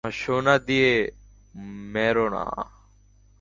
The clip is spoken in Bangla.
আমার সোনা দিয়ে মেরো না!